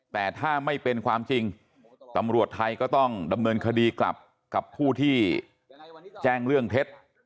แต่ถ้าไม่เป็นความจริงตำรวจไทยก็ต้องดำเนินคดีกลับกับผู้ที่แจ้งเรื่องเท็จ